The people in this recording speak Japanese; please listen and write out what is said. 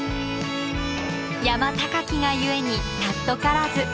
山高きが故に貴からず。